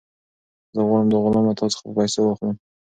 زه غواړم دا غلام له تا څخه په پیسو واخیستم.